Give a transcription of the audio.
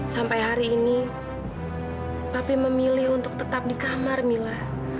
sampai hari ini papi memilih untuk tetap di kamar mila